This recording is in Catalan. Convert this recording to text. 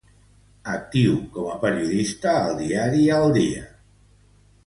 Actiu com a periodista al diari El Día.